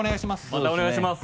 またお願いします